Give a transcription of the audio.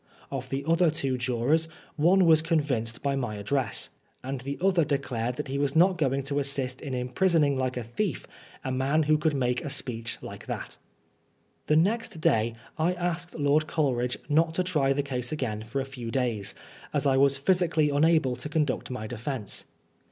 Of the other two jurors, one was convinced by my address^ 162 PBISONEB FOB BLASPHEMY. and the other declared that he was not going to assist in imprisoning like a thief ^* a man who could make a speech like tlmt." The next day I asked Lord Coleridge not to try the case again for a few days, as I was physically unable to conduct my defence.